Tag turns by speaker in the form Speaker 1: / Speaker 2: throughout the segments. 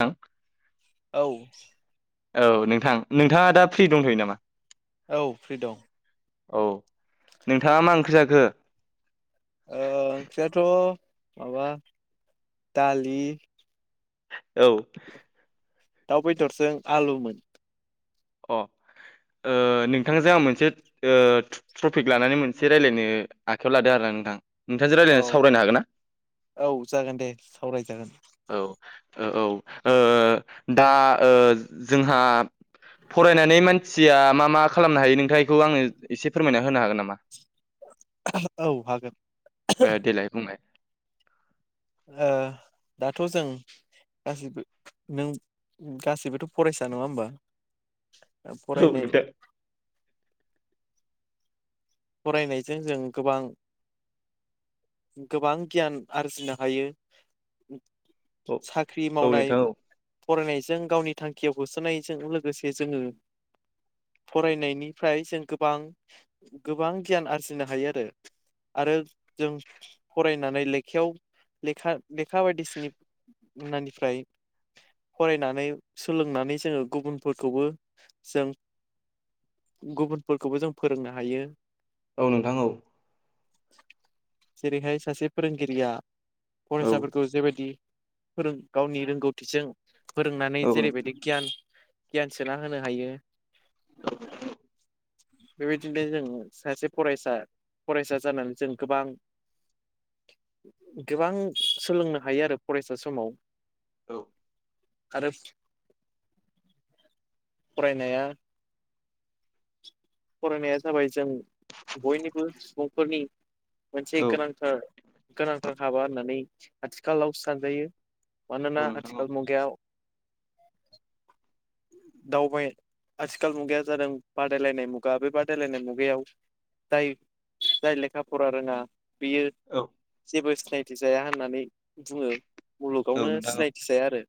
Speaker 1: थां
Speaker 2: औ
Speaker 1: औ नोंथां नोंथाङा दा फ्रि दंथ'यो नामा?
Speaker 2: औ फ्रि दं।
Speaker 1: औ नोंथाङा मा ओंख्रि जाखो?
Speaker 2: ओ ओंख्रियाथ' माबा दालि
Speaker 1: औ
Speaker 2: दाउ बेदरजों आलुमोन
Speaker 1: अ ओ नोंथांजों आं मोनसे ओ टपिक लानानै मोनसे रायज्लायनो आखायाव लादों आरो ना नोंथां नोंथांजों रायज्लाय
Speaker 2: औ
Speaker 1: सावरायनो हागोन ना
Speaker 2: औ जागोन दे सावरायजागोन
Speaker 1: औ? औ ओ दा ओ जोंहा फरायनानै मानसिया मा मा खालामनो हायो नोंथां बेखौ आंनो एसे फोरमायना होनो हागोन नामा
Speaker 2: औ हागोन
Speaker 1: ओ देलाय बुंलाय
Speaker 2: ओ दाथ' जों गासैबो नों गासैबोथ' फरायसा नङा होमबा
Speaker 1: [inaudible]
Speaker 2: फरायनाय
Speaker 1: नोंथां
Speaker 2: फरायनायजों जों गोबां गोबां गियान आरजिनो हायो। साख्रि मावनाय
Speaker 1: औ
Speaker 2: फरायनायजों गावनि थांखियाव होसोनायजों लोगोसे जोङो। फरायनायनिफ्राय जों गोबां गोबां गियान आरजिनो हायो आरो आरो जों फरायनानै लेखायाव लेखा लेखा बायदिसिनि उनानिफ्राय फरायनानै सोलोंनानै जोङो गुबुनफोरखौबो जों गुबुनफोरखौबो जों फोरोंनो हायो।
Speaker 1: औ नोंथां औ
Speaker 2: जेरैहाय सासे फोरोंगिरिया फरायसाफोरखौ जेबायदि। फोरों गावनि रोंगौथिजों फोरोंनानै जेरैबायदि गियान गियान सोना होनो हायो।
Speaker 1: [unintelligible]
Speaker 2: बेबायदिनो जों सासे फरायसा फरायसा जानानै जों गोबां गोबां सोलोंनो हायो आरो फरायसा समाव
Speaker 1: औ
Speaker 2: आरो फरायनाया‌ फरायनाया जाबाय जों बयनिबो सुबुंफोरनि मोनसे
Speaker 1: औ
Speaker 2: गोनांथार गोनांथार हाबा होननानै आथिखालावसो सानजायो।
Speaker 1: औ
Speaker 2: मानोना
Speaker 1: नोंथां औ
Speaker 2: आथिखाल मुगाया
Speaker 1: [inaudible]
Speaker 2: दावबाय आथिखाल मुगाया जादों बादायलायनाय मुगा गा बे बादायलायनाय मुगायाव जाय जाय लेखा फरा रोङा। बेयो
Speaker 1: औ नोंथां औ
Speaker 2: जेबो सिनायथि जाया होननानै बुङो।
Speaker 1: औ
Speaker 2: मुलुगावनो
Speaker 1: नोंथां औ
Speaker 2: सिनायथि जाया आरो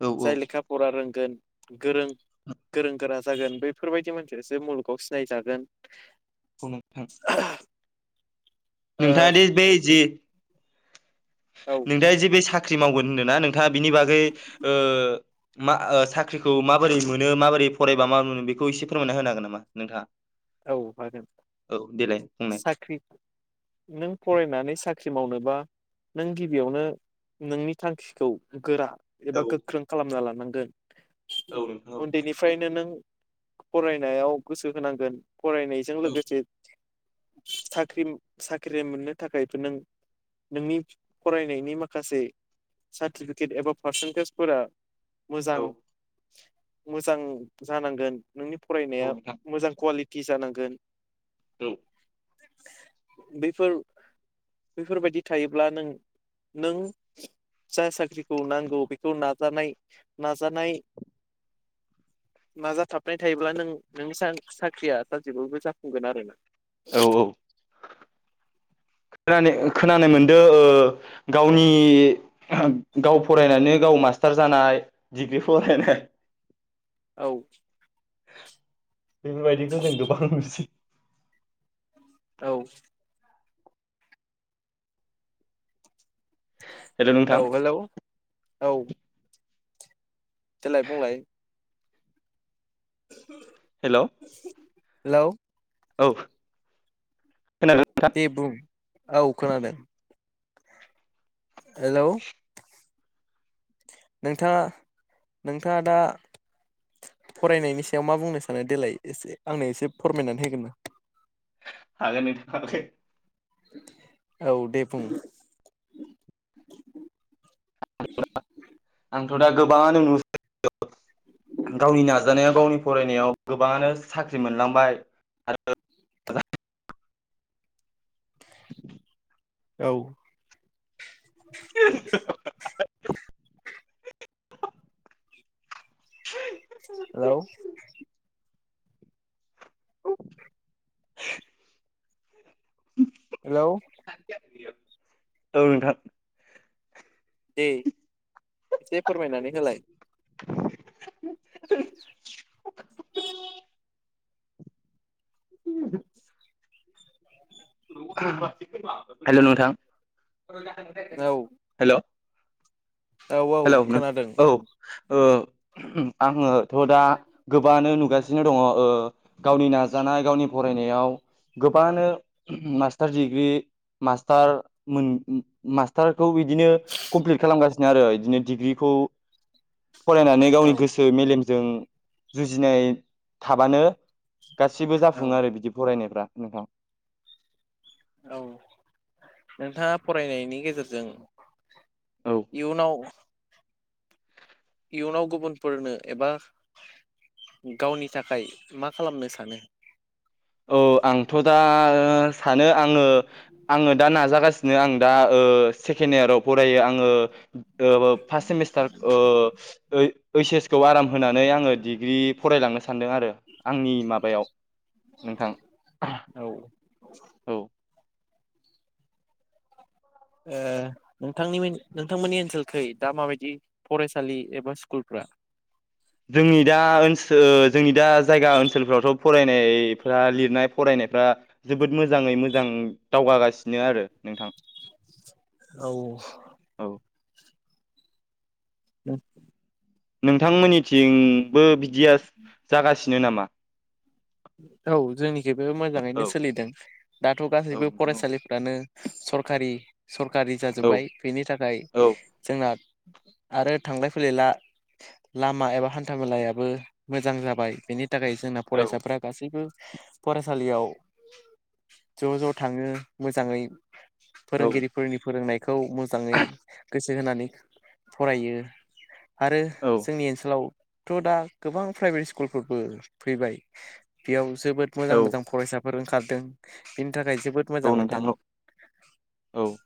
Speaker 1: औ
Speaker 2: जाय लेखा फरा रों गोन गोरों गोरों गोरा जागोन बेफोरबायदि मोनसे मुग खौ सिनायजागोन।
Speaker 1: औ नोंथां।
Speaker 2: ओ
Speaker 1: नोंथाङादि बै जि
Speaker 2: औ
Speaker 1: नोंथाङा जे बे साख्रि मावगोन होनदोंना नोंथाङा बिनि बागै मा साख्रिखौ माबोरै मोनो माबोरै फरायबा माब मोनो बेखौ एसे फोरमायना होनो हागोन नामा नोंथाङा?
Speaker 2: औ हागोन
Speaker 1: औ देलाय बुंनाय
Speaker 2: साख्रि नों फरायनानै साख्रि। साख्रि मावनोबा नों गिबियावनो नोंनि थांखिखौ गोरा
Speaker 1: औ
Speaker 2: एबा गोख्रों खालामना लानांगोन
Speaker 1: औ नोंथां औ
Speaker 2: उन्दैनिफ्रायनो नों फरायनायाव गोसो होनांगोन फरायनायजों
Speaker 1: औ
Speaker 2: लोगोसे साख्रि साख्रि मोननो थाखायबो नों नोंनि फरायनायनि माखासे सार्टिफिकेट एबा पारसेन्टेजफोरा मोजां
Speaker 1: औ
Speaker 2: मोजां जानांगोन नोंनि
Speaker 1: औ
Speaker 2: फरायनाया
Speaker 1: नोंथां
Speaker 2: मोजां कुवालिटि जानांगोन।
Speaker 1: औ।
Speaker 2: बेफोर बेैफोरबायदि थायोब्ला नों नों। फिसा साख्रिखौ नांगौ बेखौ नाजानाय नाजानाय। नाजाथाबनाय थायोब्ला नों नों साख्रिया सााजेबो जाफुंगोन आरो ना
Speaker 1: औ औ। खोन
Speaker 2: औ
Speaker 1: खोनानाय मोनदो। गावनि गाव फरायनानै गाव मास्टार जानाय डिग्रि [unintelligible]
Speaker 2: औ
Speaker 1: बेफोरबायदिखौ जों गोबां नुसै
Speaker 2: औ
Speaker 1: हेल' नोंथां
Speaker 2: औ हेल' औ देलाय बुंलाय।
Speaker 1: हेलौ।
Speaker 2: हेलौ।
Speaker 1: औ।
Speaker 2: दे बुं औ खोनादों। हेलौ नोंथाङा नोंथाङा दा फरायनायनि सायाव मा बुंनो सानो देलाय आंनो एसे फोरमायनानै होगोन ना
Speaker 1: [unintelligible]
Speaker 2: औ दे बुं।
Speaker 1: [unintelligible] आंथ' दा गोबाङानो नुसै गावनि नाजानायाव गावनि फरायनायाव गोबाङानो साख्रि मोनलांबाय। [unintelligible]
Speaker 2: औ
Speaker 1: [unintelligible]
Speaker 2: हेल'
Speaker 1: [inaudible]
Speaker 2: हेलौ!
Speaker 1: औ नोंथां।
Speaker 2: दे एसे फोरमायनानै होलाय।
Speaker 1: [inaudible] [unintelligible] हेलौ! नोंथां
Speaker 2: औ
Speaker 1: हेलौ!
Speaker 2: औ औ
Speaker 1: हेलौ नों
Speaker 2: खोनादों
Speaker 1: औ ओ। आङोथ' दा गोबाङानो नुगासिनो दङ' ओ गावनि नाजानाय गावनि। फरायनायाव। गोबाङानो मास्टार डिग्रि मास्टार मोन मास्टार। खौ बिदिनो कमप्लिट खालामगासिनो आरो बिदिनो डिग्रिखौ। फरायनानै गावनि
Speaker 2: औ
Speaker 1: गोसो मेलेमजों जुजिनाय थाबानो। गासिबो
Speaker 2: औ
Speaker 1: जाफुङो आरो बिदि फरायनायफ्रा नोंथां।
Speaker 2: औ नोंथाङा फरायनायनि गेजेरजों।
Speaker 1: औ
Speaker 2: इयुनाव‌। इयुनाव गुबुनफोरनो एबा। गावनि थाखाय मा खालामनो सानो?
Speaker 1: औ आंथ' दा सानो आङो-आङो दा नाजागासिनो आं दा ओ सेक। सेकेण्ड इयाराव फरायो आङो ओ फार्स्ट सेमिस्टार ओ-ओइ। ओइस-एस खौ आराम होनानै आङो डिग्रि फरायलांनो सानदों आरो आंनि माबायाव। नोंथां
Speaker 2: औ।
Speaker 1: औ
Speaker 2: ओ नोंथांनि-नोंथांमोननि ओनसोलखै दा माबायदि फरायसालि एबा स्कुलफोर। [inaudible]
Speaker 1: जोंनि दा ओनसोल जोंनि दा जायगा ओनसोलफोरावथ' फरायनायफ्रा लिरनाय-फरायनाय। नायफ्रा जोबोद मोजाङै मोजां दावगागासिनो आरो नोंथां। औ
Speaker 2: औ-औ। [inaudible]
Speaker 1: नोंथांमोननिथिं बो बिदिया जागासिनो नामा?
Speaker 2: औ जोंनिथिंबो मोजाङैनो
Speaker 1: औ
Speaker 2: सोलिदों दाथ'
Speaker 1: औ
Speaker 2: गासैबो
Speaker 1: नोंथां
Speaker 2: फरायसालिफ्रानो। सरकारि-सरकारि
Speaker 1: औ
Speaker 2: जाजोब्बाय बेनि थाखाय
Speaker 1: औ
Speaker 2: जोंना। आरो थांलाय फैलायला। लामा एबा हान्था मेलायाबो मोजां जाबाय बेनि थाखाय जोंना फरायसाफ्रा। फरायसालियाव ज'-ज' थाङो मोजाङै।
Speaker 1: औ
Speaker 2: फोरोंगिरिफोरनि फोरोंनाय। खौ मोजाङै गोसो होनानै फरायो। आरो
Speaker 1: औ
Speaker 2: जोंनि ओनसोलाव थ' दा गोबां प्राइभेट स्कुलफोरबो फैबाय। बेयाव जोबोद
Speaker 1: औ
Speaker 2: मोजां-मोजां फरायसाफोर ओंखारदों। थाखाय जोबोद मोजां
Speaker 1: औ नोंथां
Speaker 2: मोनदों।
Speaker 1: औ औ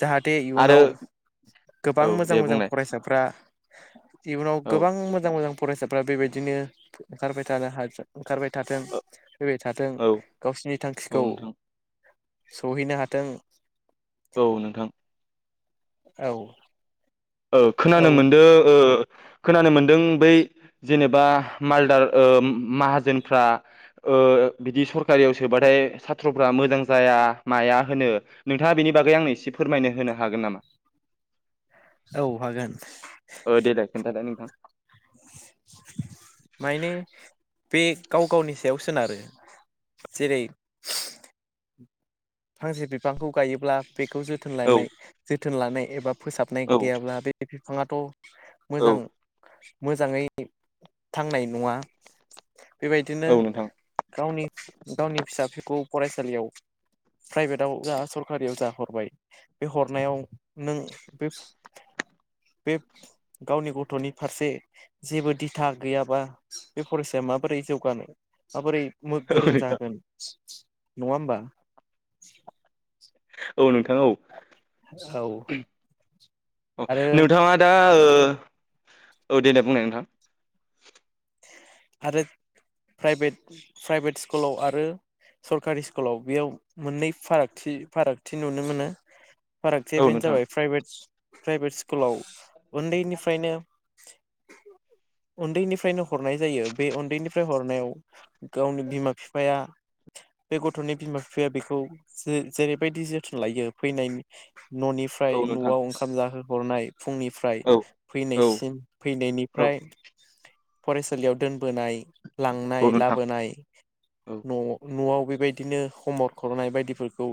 Speaker 2: जाहाते
Speaker 1: आरो
Speaker 2: इयुनाव।
Speaker 1: औ
Speaker 2: गोबां
Speaker 1: दे
Speaker 2: मोजां-मोजां
Speaker 1: बुंलाय
Speaker 2: फरायसाफ्रा। इयुनाव
Speaker 1: औ
Speaker 2: गोबां मोजां-मोजां फरायसाफ्रा बेबायदिनो ओंखारबाय थानो हाजो। ओंखारबाय थाथों, फैबाय थाथों
Speaker 1: औ
Speaker 2: गावसिनि
Speaker 1: औ
Speaker 2: थांखिखौ।
Speaker 1: नोंथां
Speaker 2: सहैनो हाथों‌।
Speaker 1: औ नोंथां।
Speaker 2: औ।
Speaker 1: औ खोनानो मोनदो ओ। खोनानो मोनदों बै जेनेबा मालदार ओ माहाजोनफ्रा। ओ बिदि सरकारियाव सोबाथाय सात्र'फ्रा मोजां जाया-माया होनो नोंथाङा बिनि। नि बागै आंनो एसे फोरमायनो होनो हागोन नामा?
Speaker 2: औ हागोन
Speaker 1: ओ देलाइ खोनथालाय नोंथां‌
Speaker 2: माइने। बे गाव गावनि सायाव सोनारो। जेरै फांसे बिफांखौ गायोब्ला बेखौ जोथोन
Speaker 1: औ
Speaker 2: लानाय जोथोन लानाय एबा फोसाबनाय
Speaker 1: औ
Speaker 2: गैयाब्ला बे बिफाङाथ'
Speaker 1: औ
Speaker 2: मोजां मोजाङै थांनाय नङा। बेबायदिनो
Speaker 1: औ नोंथां
Speaker 2: गावनि- गावनि फिसािफोरखौ फरायसालियाव प्राइभेटआव जा सरकारियाव जा हरबाय बे हरनायाव नों बे बे गावनि गथ'नि फारसे जेबो दिथा गैयाबा बे फरायसाया माबोरै जौगानो माबोरै
Speaker 1: औ
Speaker 2: गोरों
Speaker 1: नोंथां
Speaker 2: जागोन नङा होमबा?
Speaker 1: औ नोंथाङ औ
Speaker 2: औ आरो
Speaker 1: नोंथाङा दा ओ ओ देेनाय बुंनाय नोंथां।
Speaker 2: आरो प्राइभेट प्राइभेट स्कुलाव आरो सरकारि स्कुलाव बेयाव मोननै फारागथि फारागथि नुनो मोनो। फारागथि
Speaker 1: औ
Speaker 2: बेानो
Speaker 1: नोंथां
Speaker 2: जाबाय प्राइभेट प्राइभेट स्कुलाव उन्दैनिफ्रायनो उन्दैनिफ्रायनो हरनाय जायो बे उन्दैनिफ्राय हरनायाव गावनि बिमा फिफाया बे गथ'नि बिमा बिफाया बेखौ जेरैबायदि जोथोन लायो फैनायनि
Speaker 1: औ
Speaker 2: न'निफ्राय न'आव
Speaker 1: नोंथां
Speaker 2: ओंखाम जाहोहरनाय फुंनिफ्राय
Speaker 1: औ औ
Speaker 2: फैनायसिम
Speaker 1: औ
Speaker 2: फैनायनिफ्राय फरायसालियाव दोन बोनाय
Speaker 1: औ
Speaker 2: लांनाय
Speaker 1: नोंथां
Speaker 2: लाबोनाय
Speaker 1: औ
Speaker 2: न' नआव बेबायदिनो हमवरक हरनाय बायदि फोरखौ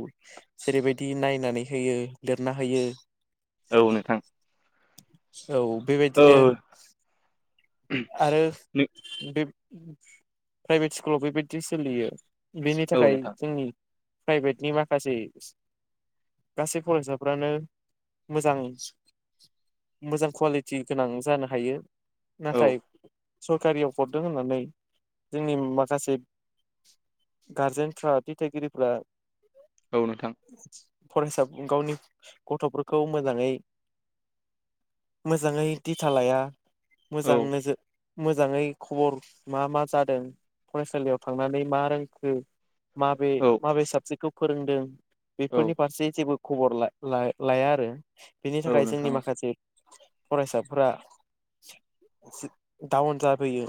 Speaker 2: जेरैबायदि नायनानै होयो लिरना होयो
Speaker 1: औ नोंथां।
Speaker 2: औ
Speaker 1: ओ
Speaker 2: बेबायदिनो आरो बे प्राइभेट स्कुलाव बेबायदि सोलियो। बेनि
Speaker 1: औ
Speaker 2: थाखाय
Speaker 1: नोंथां
Speaker 2: जोंनि प्राइभेटनि माखासे गासै फरायसाफ्रानो मोजां मोजां कुवालिटि गोनां जानो हायो
Speaker 1: औ
Speaker 2: नाथाय सरकारियाव हरदों होननानै जोंनि माखासे गारजेनफ्रा दिथागिरिफ्रा
Speaker 1: औ नोंथां
Speaker 2: [inaudible] फरायसा गावनि गथ'फोरखौ मोजाङै मोजाङै दिथा लाया
Speaker 1: औ
Speaker 2: मोजां नोजोर मोजाङै खबर मा मा जादों फरायसालियाव थांनानै मा रोंखो माबे
Speaker 1: औ
Speaker 2: माबे साबजेक्टखौ फोरोंदों
Speaker 1: औ
Speaker 2: बेफोरनि फारसे जेबो खबर ला- ला -लाया आरो बेनि
Speaker 1: औ
Speaker 2: थाखाय जोंनि
Speaker 1: नोंथां औ
Speaker 2: माखासे फरायसाफोरा डाउन जाबोयो।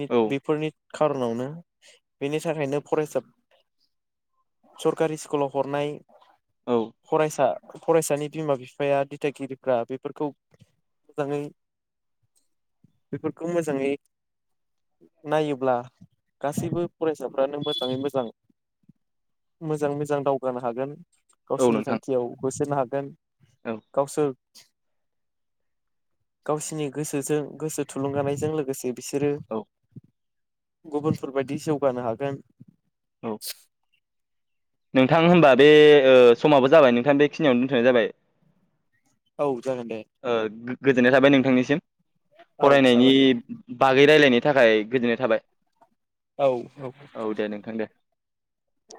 Speaker 1: औ
Speaker 2: बेफोरनि खार'नावनो बेनि थाखायनो फरायसा सरकारि स्कुलाव हरनाय फरायसा फरायसानि बिमा बिफाया दिथागिरिफ्रा बेफोरखौ मोजाङै
Speaker 1: [inaudible]
Speaker 2: बेफोरखौ मोजाङै नायोब्ला गासैबो फरायसाफ्रानो मोजाङै मोजां मोजाङै मोजां दावगानो हागोन।
Speaker 1: औ औ
Speaker 2: गावसोरनि
Speaker 1: नोंथां
Speaker 2: थांखियाव होसोनो हागोन गावसोर गावसिनि गोसोजों गोसो थुलुंगानायजों लोगोसे बिसोरो
Speaker 1: औ
Speaker 2: गुबुनफोरबायायदि जौगानो हागोन। [inaudible]
Speaker 1: औ नोंथां होनोमबा बे समाबो जाबाय नोंथां बेखिनियावनो दोनथ'नाय जाबाय।
Speaker 2: औ। जागोन दे
Speaker 1: ओ गोजोननाय थाबाय नोंथांनिसिम
Speaker 2: औ
Speaker 1: फरायनायनि
Speaker 2: साबायखर
Speaker 1: बागै रायज्लायनाय नि थाखाय गोजोननाय थाबाय।
Speaker 2: औ औ।
Speaker 1: दे नोंथां दे
Speaker 2: औ।